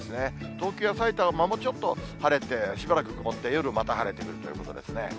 東京やさいたまもちょっと晴れて、しばらく曇って、また夜晴れてくるということですね。